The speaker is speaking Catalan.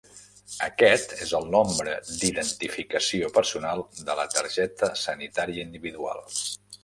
Aquest és el nombre d'identificació personal de la targeta sanitària individual.